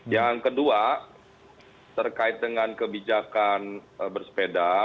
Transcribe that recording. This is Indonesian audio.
yang kedua terkait dengan kebijakan bersepeda